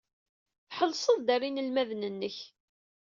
Tḥellseḍ-d ɣer yinelmaden-nnek.